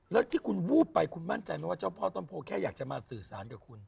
แล้วที่คุณวูบไปคุณมั่นใจไหมว่าเจ้าพ่อต้นโพแค่อยากจะมาสื่อสารกับคุณ